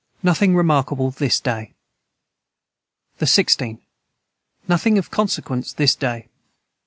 Nothing remarkable this day. the 16. Nothing of consiquence this day.